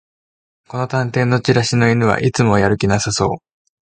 この探偵のチラシの犬はいつもやる気なさそう